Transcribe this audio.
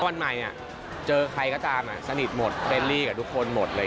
แต่วันใหม่จังเจอใครก็จำสนิทกับทุกคนหมด